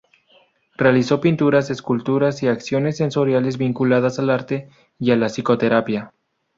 Realizó pinturas, esculturas y acciones sensoriales vinculadas al arte y a la psicoterapia.